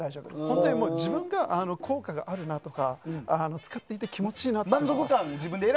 本当に自分が効果があるなとか使っていて気持ちいいなとか。